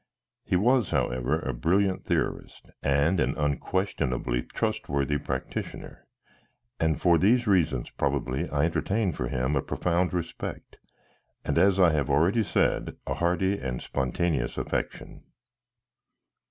He was, however, a brilliant theorist and an unquestionably trustworthy practitioner, and for these reasons probably I entertained for him a profound respect, and as I have already said a hearty and spontaneous affection.